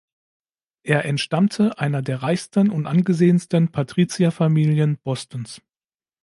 Er entstammte einer der reichsten und angesehensten Patrizierfamilien Bostons.